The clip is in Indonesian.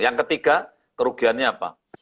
yang ketiga kerugiannya apa